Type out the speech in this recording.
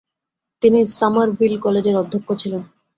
তিনি সামারভিল কলেজের অধ্যক্ষ ছিলেন।